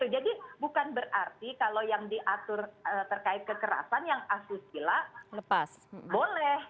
jadi bukan berarti kalau yang diatur terkait kekerasan yang asusila boleh